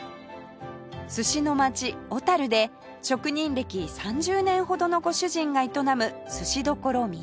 寿司の街小で職人歴３０年ほどのご主人が営むすし処みやた